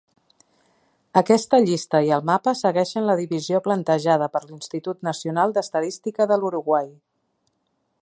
Aquesta llista i el mapa segueixen la divisió plantejada per l'Institut Nacional d'Estadística de l'Uruguai.